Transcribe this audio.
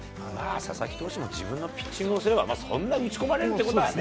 佐々木投手も自分のピッチングをすれば、そんなに打ち込まれるということはね。